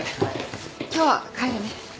今日は帰るね。